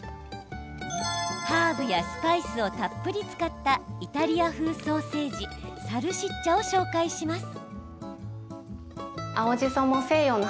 ハーブやスパイスをたっぷり使ったイタリア風ソーセージサルシッチャを紹介します。